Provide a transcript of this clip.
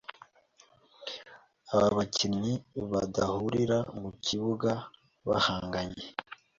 aba bakinnyi badahurira mu kibuga bahanganye,